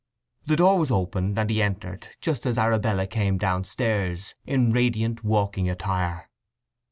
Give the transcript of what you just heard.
The door was opened and he entered, just as Arabella came downstairs in radiant walking attire.